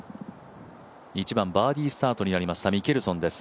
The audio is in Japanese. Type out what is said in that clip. １番バーディースタートになりましたミケルソンです。